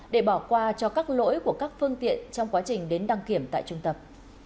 để bỏ qua cho các lỗi của các phương tiện trong quá trình đến đăng kiểm tại trung tâm